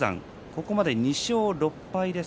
ここまで２勝６敗。